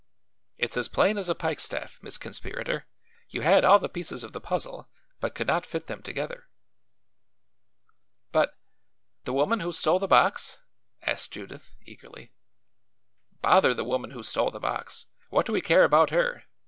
It's as plain as a pikestaff, Miss Conspirator. You had all the pieces of the puzzle, but could not fit them together." "But the woman who stole the box?" asked Judith, eagerly. "Bother the woman who stole the box! What do we care about her?"